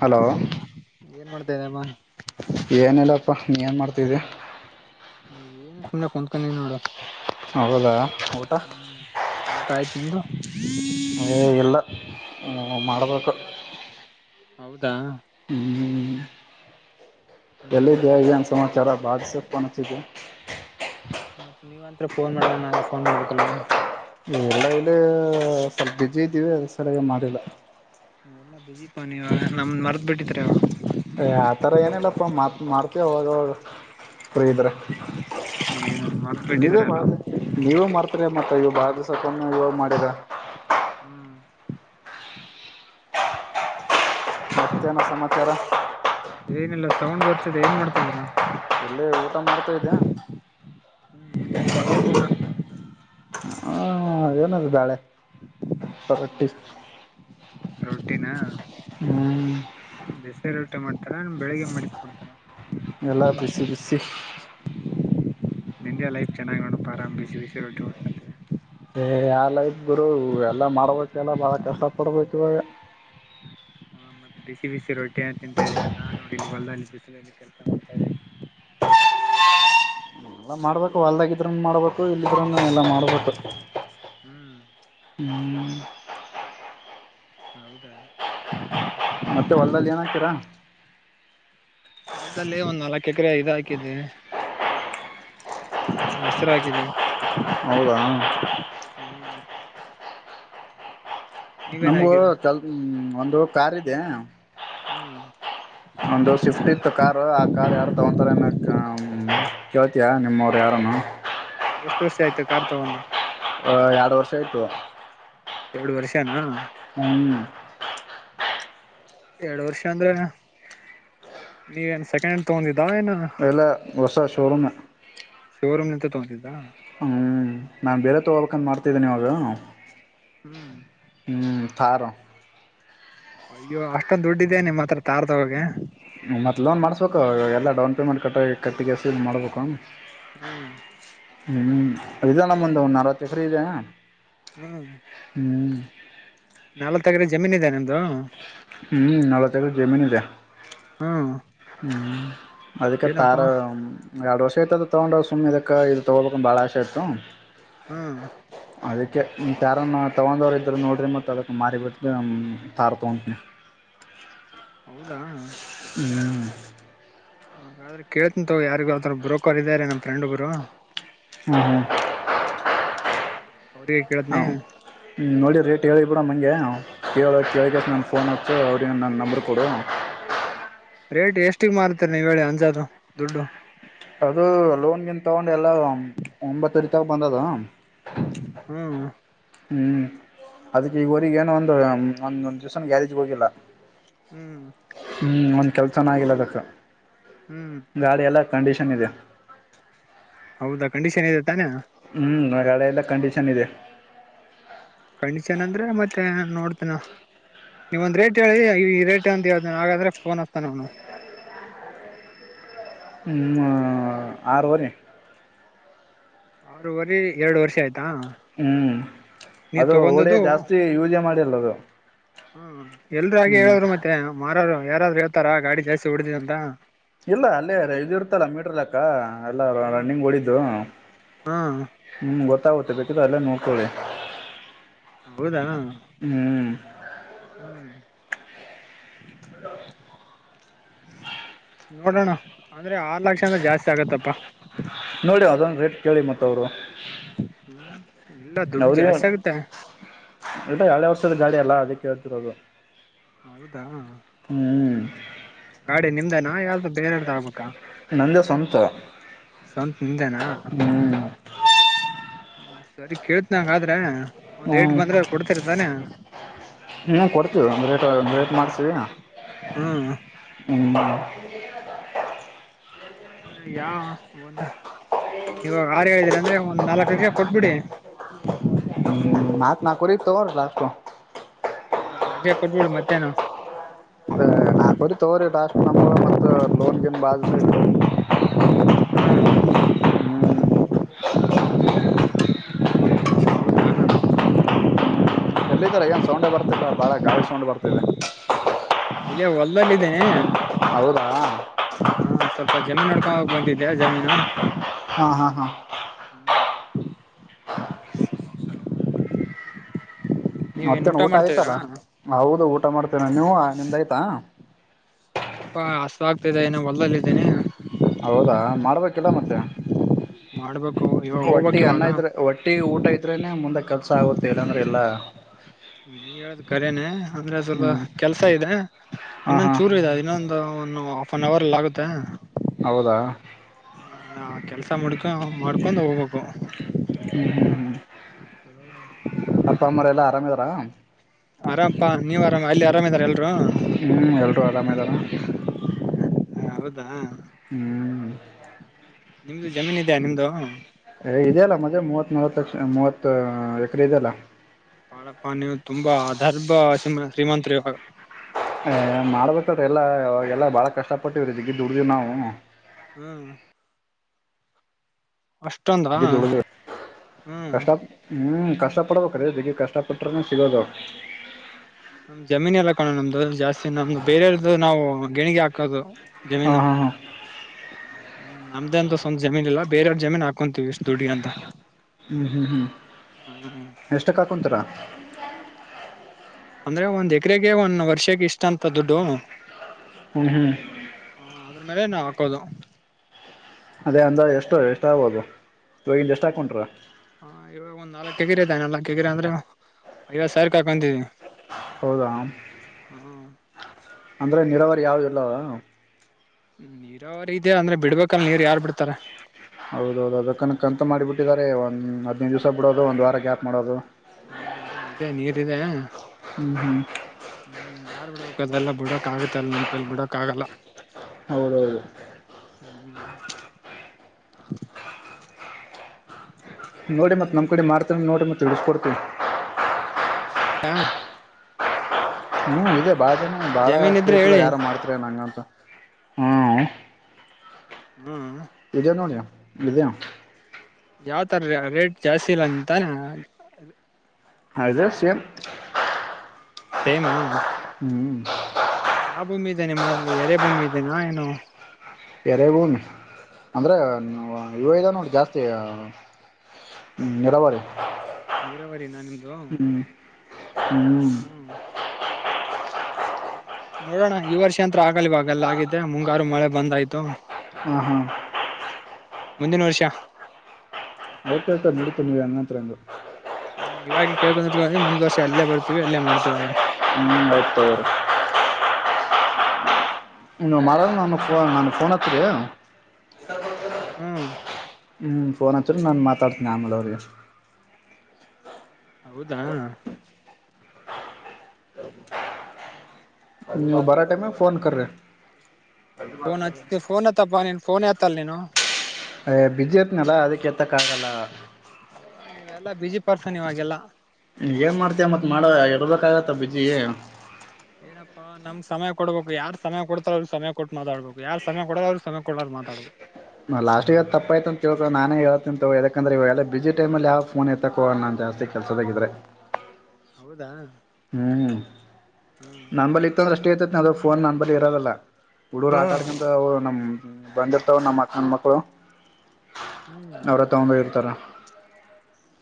Hello ಏ ಮಾಡ ತೆರೆಮಾ ಅಪ್ಪಾ ನೀ ಏನ್ ಮಾಡ್ತಿದ್ದೆ ಸುಮ್ನೆ ಕುಂತ್ಕೊಂದಿನಿ ನೋಡು ಹೌದ ಊಟ ಹ್ಮ್ ಊಟ ಆಯ್ತು ನಿಂದು ಇಲ್ಲ ಹ್ಮ್ ಮಾಡಬೇಕು ಹೌದಾ ಹ್ಮ್ ಹ್ಮ್ ಹ್ಮ್ ಎಲ್ಲಿದ್ದ ಏನ್ ಸಮಾಚಾರ ಬಾಸ್ ಗೆ ಫೋನ್ ಹಚ್ಚಿದ್ಯಾ ನೀವಂತತ್ರ ಫೋನ್ ಮಾಡಲ್ಲ ನಾನೆ ಫೋನ್ ಮಾಡ್ಬೇಕಲ್ವಾ ಎಲ್ಲ ಇಲ್ಲಿ ಸ್ವಲ್ ಬಜಿ ಇದ್ದೀವಿ ಅ ಸರಿಯಾಗಿ ಮಾಡಿಲ್ಲ ಬಿಜಿಪ್ಪ ನೀವು ಇವಾಗ ನಮ್ ಮರ್ತ್ ಬಿಟ್ಟಿದ್ರ ಈವಾಗ ಆತರ ಏನಿಲ್ಲಪ್ಪ ಮತ್ ಮಾಡ್ತ ಹೋಗ ಫ್ರೀ ಇದ್ರೆ ಏನ ಮರ್ತ್ ಬಿಟ್ಟಿದ್ರ ಎಲ್ಲ ನೀವೇ ಮಾಡ್ತರಿ ಮತ್ ಬಾಳ ದಿವಸ ಆಯ್ತು ಈವಾಗ ಮಾಡಿರಾ ಹ್ಮ್ ಮತ್ತೇನ ಸಮಾಚಾರ ಏನಿಲ್ಲ ಸೌಂಡ್ ಬರ್ತದೆ ಏನ್ ಮಾಡ್ತಾ ಇದೀರ ಇಲ್ಲಿ ಊಟ ಮಾಡ್ತಾ ಇದ್ದೆ ಹ್ಮ ಊಟ ಏನು ಊಟ ಹಾ ಅ ಏನದು ಬ್ಯಾಳೆ [inaudible] ಬೇಳೆನಾ ರೊಟ್ಟಿನ ಹ್ಮ್ [inaudible] ಇಷ್ಟ ಮಾಡ್ತಾರ ಬೆಳಿಗ್ಗೆ ಮಾಡಿಸ್ ಕೊಡ್ತಾರ ಎಲ್ಲ ಬಿಸಿ ಬಿಸಿ ನಿಂದೇ ಲೈಫ್ ಚೆನ್ನಾಗಿ ನೋಡಪಾಅರಾಮ್ ಬಿಸಿ ಬಿಸಿ ರೊಟ್ಟಿ ಉಣಕ ಏ ಯಾವ್ ಲೈಫ್ ಗುರು ಎಲ್ಲ ಮಾಡ್ಬೇಕೆಲ್ಲ ಬಾಳ ಕಷ್ಟ ಪಡ್ಬೇಕ ಇವಾಗ ಹಾ ಮತ್ತೆ ಬಿಸಿ ಬಿಸಿ ರೊಟ್ಟಿಯ ಯಾದ್ರು ತಿಂತಾಇದಿಯಾ ನಾನ್ ನೋಡಿ ಇಲ್ಲಿ ಹೊಲದಲ್ಲಿ ಬಿಸಲಿ ಕೆಲಸ ಮಾಡ್ತಾ ಇದೇನಿ ಎಲ್ಲ ಮಾಡ್ಬೇಕು ಹೊಲ್ದಾಗಿದ್ರನು ಮಾಡಬೇಕು ಇಲ್ಲಿದ್ರುನು ಎಲ್ಲ ಮಾಡಬೇಕು ಹ್ಮ್ [inaudible] ಹೌದ ಮತ್ತೆ ಹೊಲ್ದಲ್ಲಿ ಏನ್ ಹಕೀರ ಹೊಲ್ದಲ್ಲಿ ಒಂದ್ ನಾಲಕ್ ಎಕರೆ ಇದು ಹಾಕಿದೀನಿ ಹೆಸರು ಹಾಕಿದಿನಿ ಹೌದಾ ನೀವೇನ್ ನಮಗು ಹಾಕಿದ್ರಾ ಚಲ್ [inaudible] ಒಂದು ಕಾರ್ ಇದೆ ಹ್ಮ್ ಒಂದು ಶಿಫ್ಟ್ ಇತ್ತು ಕಾರು ಕಾರ್ ಯಾರು ತಗೋಂತಾರೆ ಏನ್ ಕೇಳ್ತೀಯಾ ನಿಮ್ಮವರು ಯಾರನು ಎಷ್ಟು ವರ್ಷ ಆಯ್ತು ಕಾರ್ ತಗೊಂಡ ಆ ಎರಡು ವರ್ಷ ಆಯ್ತು ಎರಡು ವರ್ಷನಾ ಹ್ಮ್ ಎರಡ್ ವರ್ಷ ಅಂದ್ರೆ. ನೀವನ್ ಸೆಕೆಂಡ್ ತಗೊಂಡಿ [inaudible] ಎಲ್ಲ ಹೊಸ ಶೋ ರೂಮ್ ತಗೊಂಡಿದ ಹ್ಮ್ ನಾನ್ ಬೇರೆ ತಗೋಕಂತ ಮಾಡ್ತಿದ್ದೇನಿ ಇವಾಗ ಹ್ಮ್ ಹ್ಮ್ ಕಾರ [inaudible] ಅಯ್ಯೋ ಅಷ್ಟೊಂದ್ ದುಡ್ದುದಿಯ ನಿಮ್ಮ್ ಹತ್ರ ಥಾರ್ ತಗೋಳಕ್ಕೆ ಮತ್ತ ಲೋನ್ ಮಾಡ್ಸಬೇಕು ಎಲ್ಲ ಡೌನ್ ಪೇಮೆಂಟ್ ಕಟ್ಟ ಕಟ್ಟಿಗೆಸಿ ಮಾಡ್ಬೇಕು ಹ್ಮ್ ಹ್ಮ್ ಇದಲ್ಲ ಮುಂದ ಒ ನಾಲ್ವತ್ತು ಎಕರೆ ಇದೆ ಹ್ಮ್ ಹ್ಮ್ ನಾಲ್ ತಗ್ರೆ ಜಮೀನ್ ಇದೇ [inaudible] ಹ್ಮ್ ನಾಲವತ್ತು ಎಕ್ರೆ ಜಮೀನು ಇ ದೆ ಹ್ಮ್ ಹ್ಮ್ ಅದಕ್ಕೆ ತಾರ ಏನಪ್ಪಾ ಎರಡು ವರ್ಷ ಐತ ತಗೊಂಡ ಇದಕ್ಕೆ ಇದು ತೊಗೋಬೇಕ ಅಂತ ಬಾಳ ಆಸೆ ಇತ್ತು ಹ್ಮ್ ಅದಕ್ಕೆ ಕಾರಾರನ್ನು ತಗೊಂಡವರು ಇದ್ದರು ನೋಡಿರಿ ಮತ್ತು ಅದಕ್ಕೆ ಮಾರಿಬಟ್ಟು ತಾರ ತಗೋತೀನಿ ಹೌದಾ ಆ ಹ್ಹ್ಹ್ಹ್ಉ ಹಾಗಾದ್ರೆ ಕೇಳತೆನಿ ತೊಗೊ ಯಾರಿಗಾದರೂ ಬ್ರೋಕರ್ ಇದಾರೆ ನಮ್ಮ ಫ್ರೆಂಡ್ ಒಬ್ಬರು ಹು ಟಕ್ ಟಕ್ ಟಕ್ ಟಕ್ ಅವ್ರಿಗೆ ಹಾ ಕೇಳ್ತನಿ ಹ್ಮ ನೋಡಿ ರೇಟ್ ಹೇಳಿಬುಡಮ್ ಹಂಗೆ ಕೇವಲಕ್ಕೆ ಐಕಸ್ ನಾನು ಫೋನ್ ಹಾಕ್ತು ಅವ್ರ ನನ್ನ ನಂಬರ್ ಕೊಡು ಬೇಟಿ ಎಷ್ಟಿಗೆ ಮಾರ್ತರಿ ನೀವ ಹೇಳಿ ಅಂದಾಜು ದುಡ್ಡು ಅದು ಲೋನ್ಗಿನ್ ತಗೊಂಡ ಎಲ್ಲ ಒಂಬತ್ತುಡಿ ತಗ ಬಂದದ ಹ್ಮ್ [inaudible] ಹ್ಮ್ ಅದಕ್ಕೆ ಈಗ ಹೊಗ ಏನೋ ಒಂದು ಒಂದೊಂದ್ ದಿವ್ಸನ ಗ್ಯಾರೇಜ್ಗೆ ಹೋಗಿಲ್ಲ ಹ್ಮ್ ಹ್ಮ್ ಒಂದ್ ಕೆಲ್ಸನ ಆಗಿಲ್ಲ ಅದಕ್ಕೆ ಹ್ಮ್ ಗಾಡಿ ಅಲ್ಲ ಕಂಡೀಷನ್ ಇದೆೆ ಹೌದಾ ಕಂಡೀಷನ್ ಇದೆ ತಾನೇ ಹು ಆದದೆಲ್ಲಾ ಎಲ್ಲ ಕಂಡೀಷನ್ ಇದೆ ಕಂಡೀಷನ್ ಅಂದ್ರೆ ಮತ್ತೆ ನೋಡತಿನಾಳ ನೀವ ಒಂದ್ ರೇಟ್ ಹೇಳಿ ಈ ರೇಟ್ ಅಂತ ಹಾಗಾದ್ರೆ ಫೋನ್ ಹಚ್ಚತನ ಅವನು ಹು ಮ್ಮ್ಮ್ ಆರುವರಿ ಅರೂವರಿ ಎರಡು ವರ್ಷ ಆಯ್ತು ಪ್ಚ್ ಹು ಪ್ಚ್ ಅದು ವಡೆ ತಗೊಂಡದು ಜಾಸ್ತಿ ಯೂಜೆ ಮಾಡಿ ಅಲ್ಲದು ಹು ಎಲ್ರು ಹಾಗೆ ಹೇಳವರು ಮತ್ತೆ ಮಾರೋರೋ ಯಾರಾದ್ರೂ ಹೇಳ್ತಾರಾ ಗಾಡಿ ಜಾಸ್ತಿ ಹೊಡದಿದೆ ಅಂತ ಇಲ್ಲ ಅಲ್ಲೇ ಇದು ಇರ್ತರ ಮೀಟರ್ ಲೆಕ್ಕ ಎಲ್ಲ ಹ ರನ್ನಿಂಗ್ ಹೊಡಿದ್ದು ಹಾ ಹು ಗೊತ್ತ ಹೌದ ಬೇಕಿದ್ರ ಅಲ್ಲೆ ನೋಡ್ಕೊಳ್ಳಿ ಹೌದಾ ಅಣ್ಣಾ ಹ್ಮ್ ಹು ನೋಡೋಣ ಅಂದ್ರೆ ಆರ್ ಲಕ್ಷನೆ ಜಾಸ್ತಿ ಆಗತ್ತಪ್ಪಾ ನೋಡಿ ಅದೊಂದು ರೇಟ್ ಕೇಳಿ ಮತ್ತ ಅವರು ಹ್ಮ್ ಇಲ್ಲ ದುಡ್ಡು ಜಾಸ್ತಿ ಅವರೇನು ಆಗುತ್ತೆ ಪ್ಚ್ ಟಕ್ ಹಳೆ ವರ್ಷದ ಗಾಡಿ ಅಲ್ಲ ಅದೆ ಕೇಳ್ತೇರೋದು. ಹೌದಾ ಆ ಆಯ್ತ್ ನಿಮ್ದನಾ ಯಾವ್ದು ಬೇರಾರ್ದ ಆಗ್ಬೇಕಾ ನಂದೇ ಸ್ವಂತ ಸ್ವಂತ ನಿಮ್ಮದೇನಾ ಹ್ಮ್ ಸರಿ ಕೇಳತೀನಿ ಹಂಗಾದ್ರೆ ಹು ಟಕ್ ಪ್ಚ್ ಹು ಹ ಕೊಡ್ತೀವು ರೇಟ್ ರೇಟ್ ಮಾಡ ಇಲ್ಲಾ ಹು ಉ ಹು ಟಕ್ ಟಕ್ ಹು ಅ ಯಾ ಒಂದಾ ಇವಾಗ ಆರ ಹೇಳಿದ್ರ ಅಂದ್ರೆ ಒಂದ ನಾಲ್ಕ ಲಕ್ಷ ಕೊಟ್ಬಿಡಿ ಹು ನಾಕ್ ನಾಕುವರಿ ತಗೋರಲ್ಲ ಟಕ್ ಟಕ್ ಅದನ್ನ ನಂಗೆ ಕೊಟ್ಬಿಡು ಮತ್ತೇನು ನಾಲ್ಕುವರಿ ತಗೋರಿ ಲಾಸ್ಟ್ ನಮ್ಗ ಮತ್ತ ಲೋನ್ ಗಿನ್ ಬಾಳ್ ದಿವಸ ಇತ್ತು ಹಾ ಹೂ ಹೌದಾ ಹ ಎಲ್ಲಿದ್ದಾರೆ ಏನ್ ಸೌಂಡೇ ಬರ್ತಿಲ್ಲ ಬಾಳ ಗಾಳಿ ಸೌಂಡ್ ಬರ್ತಿದೆ ಕೆ ಹೊಲ್ದಲ್ಲಿ ಇದೇ ಏ ಟಕ್ ಟಕ್ ಹೌದಾ ಟಕ್ ಟಕ್ ಜಮೀನು ನೋಡ್ಕೊಂಡ ಹೋಗೋಕ್ ಬಂದಿದ್ದೆ ಜಮೀನು ಟಕ್ ಟಕ್ ಹ್ಹಾ ಹ್ಹಾ ಹ್ಹಾ ನೀವ ಏನ್ ಮತ್ತೇನ್ ಊಟ ಮಾಡ್ತಿದೀರಾ ಆಗಿತ್ತಲ್ಲ ಹೌದು ಊಟ ಊಟ ಮಾಡ್ತೇರಾ ನೀವು ನಿಮ್ಮದು ಆಯ್ತಾ ಆಗತಿದೆ ಇನ್ನು ಹೊಲ್ದಲ್ಲಿದ್ದೀನೆ ಹೌದಾ ಮಾಡಬೇಕಿಲ್ಲ ಮತ್ತೆ ಮಾಡ್ಬೇಕು ಇವಾಗ ಹೊಟ್ಟಿ ಹೋಗ್ಬಕ್ ಅನ್ನ ಇವಾಗ ಇದ್ರೆ ಹೊಟ್ಟಿ ಊಟ ಇದ್ರೇನೆ ಮುಂದೆ ಕಲ್ಸ ಸ ಆಗುತ್ತೆ ಇಲ್ಲಂದ್ರೆ ಇಲ್ಲ ನೀ ಹೇಳೋದು ಕಖರೇನೆ ಅಂದ್ರೆ ಸ್ವಲ್ಪ ಹ್ಮ್ ಕೆಲ್ಸ ಇದೆ ಹ ಇನ್ನೊಂದ್ ಹಾ ಚೂರು ಇದೆ ಇನ್ನೊಂದು ಒನು ಆಫ್ ಆನ್ ಅವರ್ ಅಲ್ಲಿ ಆಗುತ್ತೆ ಹೌದಾ ಅದಾ ಕೆಲ್ಸ ಮುಡ್ಕೊ ಮಾಡ್ಕೊಂಡ್ ಹೋಗ್ಬೇಕು ಹ್ಮ್ ಹ್ಮ್ ಹ್ಮ್ ಅಪ್ಪ ಅಮ್ಮರೆ ಎಲ್ಲಾ ಆರಾಮಿದಾರ ಆರಾಮಪಾ ನೀವ್ ಆರಾಮ ಅಲ್ಲಿ ಆರಾಮ್ ಇದದಾರ ಎಲ್ರು ಹೂ ಎಲ್ಲರೂ ಆರಾಮ ಇದಾರ ಹ ಹೌದಾ ಹೂ ನಿಮ್ದು ಜಮೀನ್ ಇದ್ಯಾ ನಿಮ್ದು ಮೂವತ್ತು ಲಕ್ಷ ಮೂವತ್ತು ಎಕರೆ ಇದಲ್ಲ ಬಾಳಪ್ಪ ನೀವು ತುಂಬಾ ಅದರ್ಭ ಶ್ರೀಮಂತರು ಇವಾಗ ಹ ಮಾಡ್ಬೇಕಾದ್ರೀ ಎಲ್ಲ ಅವಾಗೆಲ್ಲ ಭಾಳ ಕಷ್ಟಪಟ್ಟಿವಾರಿ ದುಡ್ದಿವವಿ ನಾವು ಹೂ ಹಂಗೆ ದುಡದವಿ ಹ್ಮ್ ಕಷ್ಟ ಪಾಟ್ ಹೂ ಕಷ್ಟ ಪಡಬೇಕು ರೋ ಕಷ್ಟಪಟ್ಟ್ರನೇ ಸಿಗೋದು [unintelligible] ನಮ ಜಮೀನ್ ಎಲ್ಲ ಕಾಣೋಣ ನಮ್ದು ಜಾಸ್ತಿ ನಮ್ದು ಬೇರೆಯರ್ದು ನಾವು ಗೆಣಿಗೆ ಹಾಕೋದು ಹ ಜಮೀನು ಹಾ ಹಾ ಹೂ ನಮ್ದೇ ಅಂತ ಸ್ವಂತ ಜಮೀನೀಲ್ಲ ಬೇರವ್ರ ಜಮೀನ್ ಹಾಕೊಂತೀವಿ ಎಷ್ಟು ದುಡ್ಡುಗ ಅಂತ ಹ್ಮ್ ಹ್ಮ್ ಹ್ಮ್ ಹ್ಮ್ ಎಷ್ಟ ಕಾ ಕುಂತರ ಅಂದ್ರೆ ಒಂದ್ ಎಕರೆಗೆ ಒಂದ ವರ್ಷಕ್ಕೆ ಇಷ್ಟ ಅಂತ ದುಡ್ಡು ಹು ಅದ್ರ ಮೇಲೆ ನಾ ಹಾಕೋದು ಅದೇ ಅಂದ್ರ ಎಷ್ಟು ಎಷ್ಟ ಆಗೋದು ಈವಾಗಿಂದ ಎಷ್ಟ ಹಾಕಂಟ್ರ ಹಾ ಇವಾಗ ಒಂದ್ ನಾಲ್ಕಕ್ ಎಕರೆ ಇದೆ ನಾಲ್ಕಕ್ ಎಕರೆ ಅಂದ್ರೆ ಐವತ್ತು ಸಾವಿರ ಕ ಹಾಕೊಂತಿದವಿ ಹೌದ ಅಂದ್ರೆ ನೀರಾವರಿ ಯಾವ್ದ ಇಲ್ಲವಾ ನೀರಾವರಿ ಇದೆ ಅಂದ್ರೆ ಬಿಡ್ಬೇಕಲ್ ನೀರ್ ಯಾರ ಬಿಡ್ತಾರ ಹೌದೌದು ಅದ ಕನಕ ಅಂತ ಮಾಡಿಬಿಟ್ಟಿದ್ದಾರೆ ಒಂದ್ ಹದಿನೈದು ದಿವ್ಸ ಬಿಡೋದು ಒಂದ್ ವಾರ ಗ್ಯಾಪ್ ಮಾಡೋದು ಹ್ಮ ಇದೆ ನೀರಿದೆ ಹ್ಮ್ ಹ್ಮ್ ಯಾರ ಬಿಡಕಬೇಕು ಅದೆಲ್ಲಾ ಬಿಡಕ್ ಆಗೆತೆ ಅಲ್ಲ ನಮ್ ಕೈಲ್ ಬಿಡಕ್ ಆಗಲ್ಲ ಹೌದೌದು ಹ್ಮ್ ಹ್ಮ್ ಹ್ಮ ನೋಡಿ ಮತ್ತು ನಮ್ಮ ಕಡೆ ಮಾಡ್ತೀರಿ ಏನ್ ನೋಡಿ ಮತ್ತು ಇಡಿಸಕೊಡ್ತೀವಿ ಹಾ ಹ್ಮ್ ಇದೆ ಭಾಳ ಭಾಳ ಜಮೀನ್ ಇದ್ರೆ ಕೀತಾಗ ಹೇಳಿ ಯಾರೋ ಮಾಡ್ತೀರ ನಂ ಹ್ಮ ಹ್ಮ್ ಇದೆ ನೋಡೇ ಇದೆ ಯಾವತರ ರೇಟ್ ಜಾಸ್ತಿ ಇಲ್ಲ ಅಂತ. ಅದ ಸೇಮ್ ಸೇಮಾ ಹ್ಮ್ ಯಾವ ಭೂಮಿ ಇದೆ ನಿಮ್ಮಲ್ಲಿ ಎರೆ ಭೂಮಿ ಇದೇನಾ ಏನು ಎರೆ ಭೂಮಿ ಅಂದ್ರೆ ಇವ ಇದೆ ನೋಡ ಜಾಸ್ತಿ ನಿರಾವರಿ ನೀರಾವರಿ ನಾ ನಿಮ್ದು ಹ್ಮ್ ನೋಡೋಣ ಈ ವರ್ಷ ಅಂತ್ರ ಆಗಲ್ ಇವಾಗಲ್ಲ ಆಗತೆ ಮುಂಗಾರು ಮಳೆ ಬಂದ್ ಆಯ್ತು. ಹ್ಮ ಹ್ಮ ಮುಂದಿನ ವರ್ಷ. ಓಕೆತ ನಡತ ನೀವ ಹಂಗಂತರಂಗ. ಹ್ಮ್ ಇವಾಗಿ ಕೇಳಕೊತ್ತಿವಿ ಮುಂದ್ ವರ್ಷ ಅಲ್ಲೇ ಬರ್ತೀವಿ ಅಲ್ಲೇ ಮಾಡ್ತೀವಿ ಅಂತ. ಮುಂಬತ್ತೂರ್ ನೀ ಮರ ನಾನ ಫೋನ್ ಹಚ್ಚರಿ ಹ್ಮ್ ಹ್ಮಞ ಫೋನ್ ಹಚ್ಚರಿ ನಾನು ಮಾತಾಡ್ತೀನಿ ಆಮೇಲೆ ಅವರಿಗೆ ಹೌದಾ ಬರ ಟೈಮೆ ಫೋನ್ ಕರೇ ಫೋನ್ ಹಚ್ಚ ಫೋನ್ ಎತ್ತಪ್ಪ ನೀನ್ ಫೋನ್ ಎತ್ತಲ್ಲ ನೀನು. ಬಿಜೆತ್ನಲ್ಲ ಅದಕ್ಕೆೇತ್ತಕ್ಕಾಗಲ್ಲ. ಯವ ನೀವೆಲ್ಲಾ ಬಿಸಿ ಪರ್ಸನ್ ನೀವೆಲ್ಲ ಏನ್ ಮಾಡ್ತಯ ಮತ್ ಮಾಡ ಇರ್ಬೇಕಾಗತ್ತ ಬಿಜಿ. ಏನಪ್ಪಾ ನಮ್ಗೆ ಸಮಯ ಕೊಡ್ಬೇಕು ಯಾರ ಸಮಯ ಕೊಡ್ತಾರ ಅವ್ರರು ಸಮಯ ಕೊಟ್ಟು ಮಾತಾಡ್ಬೇಕು ಯಾರ್ ಸಮಯ ಕೊಡಲ ಅವರಿಗೆ ಸಮಯ ಕೊಡಲಾರದ ಮಾತಾಡ್ಬೇಕು. ನಾ ಲಾಸ್ಟ್ ಈಗ ತಪ್ಪ ಆಯ್ತ ಅಂತ ತಿಳ್ಕ ನಾನೇಳ್ತಂತ ಯಾಕಂದ್ರೆ ಇವಾಗೆ ಬ ಬಿಜಿ ಟೈಮ ಅಲ್ಲಿ ಯಾವ ಫೋನ್ ಯತ್ತಕ್ ಹೋಗಲ್ಲ ನನ್ ಜಾಸ್ತಿ ಕೆಲ್ಸದಾಗಿದ್ರೆ. ಹೌದಾ ಹ್ಮ್ ಹಾ ನಂಬಲಿತ ದ್ರಷ್ಟತ. ಅದ ಫೋನ್ ನಂಬರ್ ಇರೋದಲ್ಲ. ಹುಡೂರು ಆಟ ಆಡ್ಕಂತ ಅವರು ನಮ ಬಂದ. ನಮ್ಮ ಆಭಕ ಹ್ಮ್ ಅವ್ರ ತಗೊಂಡ ಹೋಗಿರ್ತಾರ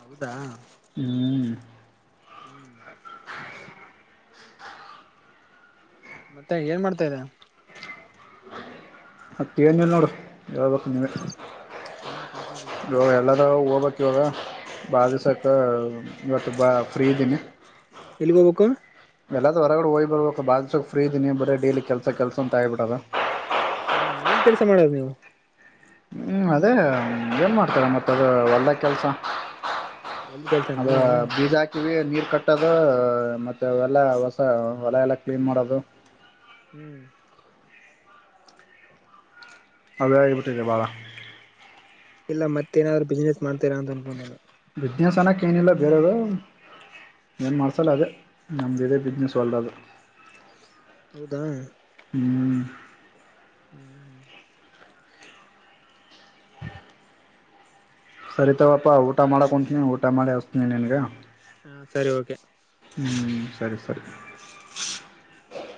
ಹೌದಾ ಹ್ಮ್ ಹ್ಮ್ ಮತ್ತೆ ಏನ್ ಮಾಡ್ತಾ ಇದೆ. ಮತ್ತ ಏನ ಇಲ್ಲ ನೋಡು ಯಾವಾಗ ಬರ್ತೀ ನೀನು ಸುಮ್ನೆ ಅಯ್ಯೋ ಕುತ್ಕೊಂಡಿದ್ಯಾ ಯಲ್ಲೆರ ಹೋಗ್ಬೇಕ್. ಇವಾಗ ಬಾಳ ದಿವಸಕ್ಕೆ ಇವತ್ತು ಬ ಫ್ರೀ ಇದ್ದೀನಿ. ಎಲ್ಲಿಗೋಬಕ. ಎಲ್ಲಾದ್ರ ಹೊರಗಡೆ ಹೋಗ್ ಬರಬೇಕ ಬಾಳ ದಿವಸಕ್ ಫ್ರೀ ಇದೀನಿ ಬರೀ ಡೈಲಿ ಕೆಲಸ ಕೆಲಸ ಅಂತ ಆಗಿಬಿಟ್ಟದ. ಹಾ ಏನ್ ಕೆಲ್ಸ ಮಾಡದು ನೀವು. ಹ್ಮ್ ಅದೇ ಏನ್ ಮಾಡ್ತಾರ ಮತ್ತ ಅದ ಹೊಲದಾಗ ಕೆಲ್ಸ ಹೊಲ್ದ ಅದ ಕೆಲ್ಸನಾನ ಬೀಜ ಹಾಕಿವಿ. ನೀರ್ ಕಟ್ಟೋದು ಮತ್ತೆ ಅವೆಲ್ಲ ಹೊಸ ಹೊಲ ಎಲ್ಲ ಕ್ಲೀನ್ ಮಾಡೋದು. ಹ್ಮ್. ಅವೇ ಆಗಿಬಿಟ್ಟಿದವ್ ಬಾಳ. ಇಲ್ಲ ಮತ್ತೇಏನಾದ್ರು ಬಿಸ್ನೆಸ್ ಮಾಡ್ತೀರಾ ಅನ್ಕೊಂಡೇನು. ಬಿಸ್ನೆಸ್ ಅನ್ನಕ್ ಏನಿಲ್ಲ ಬೇರೆದು ಏನ್ ಮಾಡ್ಸಲ್ಲ ಅದೇ. ನಮ್ದ ಇದೇ ಹ್ಮ್ ಬಿಸ್ನೆಸ್ ಹೊಲದ್ದು. ಹೌದಾ. ಹ್ಮಞ. ಹ್ಮ್ ಹ್ಮ್. ಸರಿತವಪ್ಪಾ ಊಟ ಮಾಡಕ ಹೊಂಂತೀನಿ ಊಟ ಮಾಡಿ ಹಸಾತಿನ ನಿನ್ಗ. ಹಾ ಸರಿ ಓಕೆ. ಹ್ಞೂ ಸರಿ ಸರಿ.